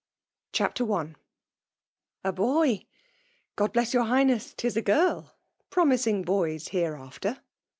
CHAPTER I. '^ A boy ? God bless your Higbneu I *Ti» a gir/, Promising boys hereafter